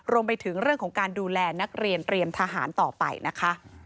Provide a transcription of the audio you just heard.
รวมไปถึงเรื่องของการดูแลนักเรียนเตรียมทหารต่อไปนะคะ